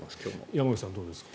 山口さん、どうですか？